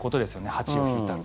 ８を引いたら。